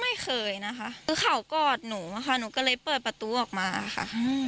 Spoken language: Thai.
ไม่เคยนะคะคือเขากอดหนูอะค่ะหนูก็เลยเปิดประตูออกมาค่ะ